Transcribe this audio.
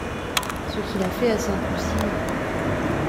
ce qu’il a fait à Sainte-Lucie…